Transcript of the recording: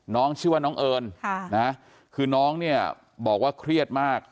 น้องชื่อว่าน้องเอิญคือน้องเนี่ยบอกว่าเครียดมาก